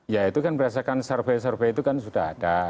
ya itu kan berdasarkan survei survei itu kan sudah ada